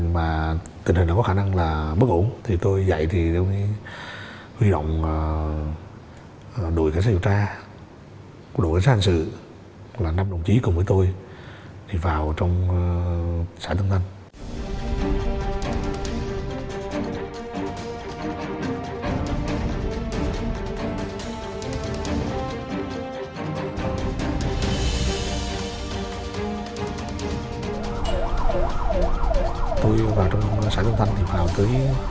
mà tình hình có khả năng là bất ổn thì tôi dạy thì đồng chí huy động đội cảnh sát điều tra đội cảnh sát hành sự